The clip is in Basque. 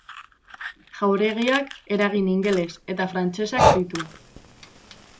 Jauregiak eragin ingeles eta frantsesak ditu.